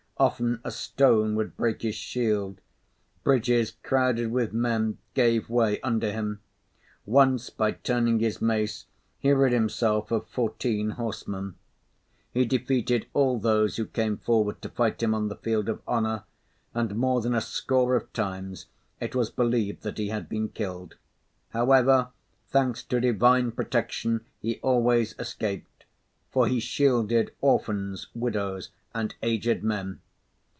Often a stone would break his shield. Bridges crowded with men gave way under him. Once, by turning his mace, he rid himself of fourteen horsemen. He defeated all those who came forward to fight him on the field of honour, and more than a score of times it was believed that he had been killed. However, thanks to Divine protection, he always escaped, for he shielded orphans, widows, and aged men.